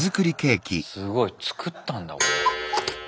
すごい作ったんだこれ。